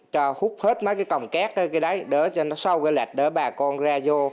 cho hút hết mấy cái cổng két đỡ cho nó sâu cái lạch đỡ bà con ra vô